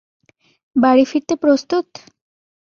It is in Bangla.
বাড়ি ফিরতে প্রস্তুত?